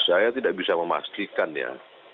saya tidak bisa memastikan ya